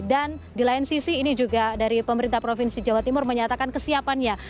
dan di lain sisi ini juga dari pemerintah provinsi jawa timur menyatakan kesiapannya